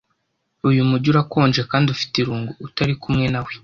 Uyu mujyi urakonje kandi ufite irungu utari kumwe nawe.